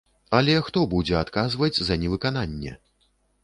Але хто будзе адказваць за невыкананне?